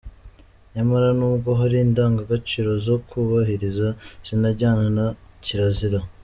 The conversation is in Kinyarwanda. Nyamara n’ubwo hari indangagaciro zo kubahiriza zinajyana na kirazira.